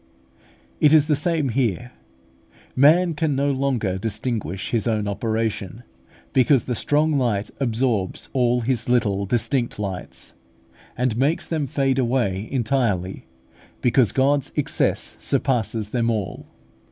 It is the same here; man can no longer distinguish his own operation, because the strong light absorbs all his little distinct lights, and makes them fade away entirely, because God's excess surpasses them all.